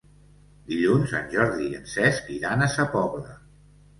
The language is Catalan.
Dilluns en Jordi i en Cesc iran a Sa Pobla.